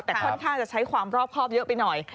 แต่ค่อนข้างจะใช้ความรอบครอบเยอะไปหน่อย